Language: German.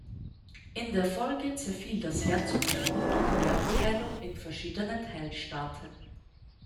In der Folge zerfiel das Herzogtum durch Erbteilung in verschiedene Teilstaaten.